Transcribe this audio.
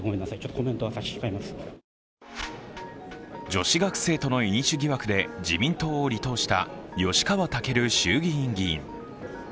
女子学生との飲酒疑惑で自民党を離党した吉川赳衆議院議員。